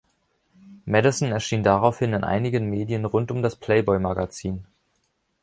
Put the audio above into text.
Madison erschien daraufhin in einigen Medien rund um das Playboy-Magazin.